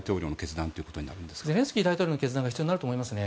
ゼレンスキー大統領の決断が必要になるんでしょうか。